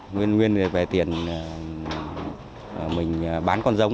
nguyên về tiền mình bán con giống